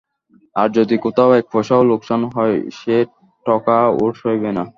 আর যদি কোথাও এক পয়সাও লোকসান হয় সে-ঠকা ওঁর সইবে না।